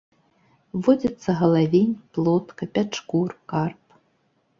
Водзяцца галавень, плотка, пячкур, карп.